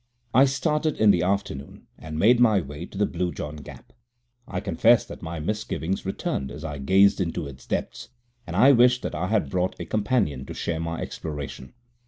I started in the afternoon, and made my way to the Blue John Gap. I confess that my misgivings returned as I gazed into its depths, and I wished that I had brought a companion to share my exploration.